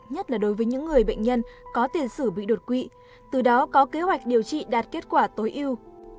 nhất là đối với những người bệnh nhân có tiền sử bị đột quỵ từ đó có kế hoạch điều trị đạt kết quả tối ưu